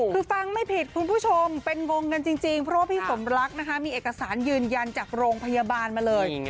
คือฟังไม่ผิดคุณผู้ชมเป็นงงกันจริงเพราะว่าพี่สมรักนะคะมีเอกสารยืนยันจากโรงพยาบาลมาเลย